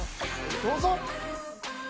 どうぞ！